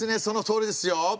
そのとおりですよ。